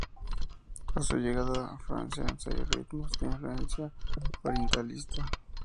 A su llegada a Francia ensayó ritmos de influencia orientalista.